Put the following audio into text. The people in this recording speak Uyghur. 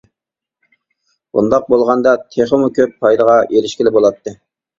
بۇنداق بولغاندا تېخىمۇ كۆپ پايدىغا ئېرىشكىلى بولاتتى.